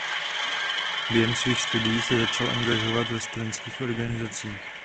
Během svých studií se začal angažovat ve studentských organizacích.